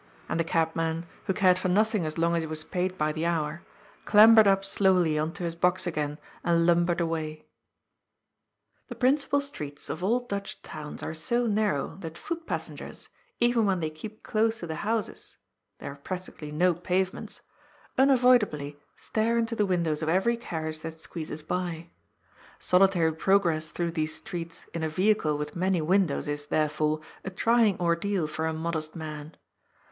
And the cabman, who cared for nothing as long as he was paid by the hour, clambered up slowly on to his box again and lumbered away. THE CATASTROPHE, 403 The principal streets of all Dutch towns are so narrow that foot passengers, even when they keep close to the houses (there are practically no pavements), unavoidably stare into the windows of every carriage that squeezes by. Solitary progress through these streets in a vehicle with many windows is, therefore, a trying ordeal for a modest man.